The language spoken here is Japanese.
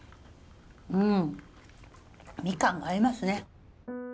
うんみかんが合いますね。